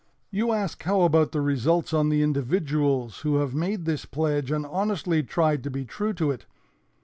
"You ask how about the results on the individuals who have made this pledge and honestly tried to be true to it.